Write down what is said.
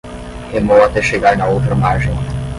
Remou até chegar na outra margem